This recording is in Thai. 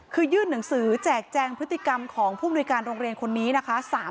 คือยื่นหนังสือแจกแจงพฤติกรรมของผู้มนุยการโรงเรียนคนนี้นะคะ